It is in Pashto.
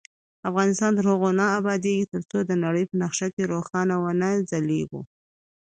افغانستان تر هغو نه ابادیږي، ترڅو د نړۍ په نقشه کې روښانه ونه ځلیږو.